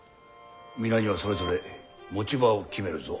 皆にはそれぞれ持ち場を決めるぞ。